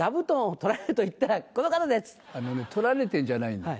取られてるんじゃないんだよ